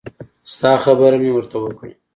ستا خبره مې ورته وکړه.